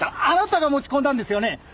あなたが持ち込んだんですよね？